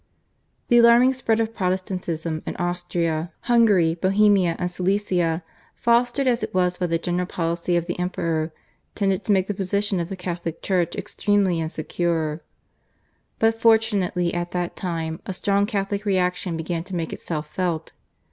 The alarming spread of Protestantism in Austria, Hungary, Bohemia, and Silesia, fostered as it was by the general policy of the Emperor, tended to make the position of the Catholic Church extremely insecure. But fortunately at that time a strong Catholic reaction began to make itself felt.